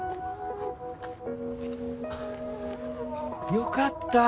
よかった。